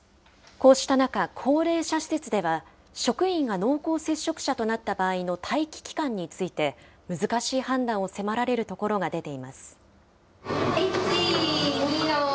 こうした中、高齢者施設では、職員が濃厚接触者となった場合の待機期間について、難しい判断を迫られる所が出ています。